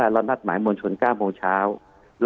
คุณหมอประเมินสถานการณ์บรรยากาศนอกสภาหน่อยได้ไหมคะ